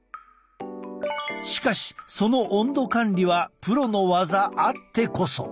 しかしその温度管理はプロの技あってこそ。